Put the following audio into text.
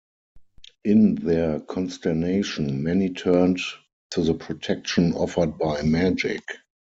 In their consternation, many turned to the protection offered by magic.